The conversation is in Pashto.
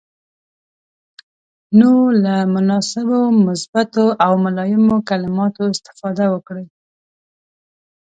نو له مناسبو، مثبتو او ملایمو کلماتو استفاده وکړئ.